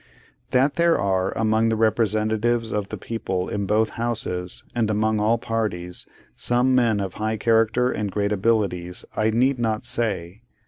That there are, among the representatives of the people in both Houses, and among all parties, some men of high character and great abilities, I need not say.